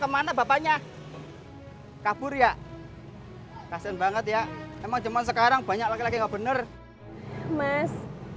kemana bapaknya kabur ya kasian banget ya emang cuman sekarang banyak laki laki nggak bener mas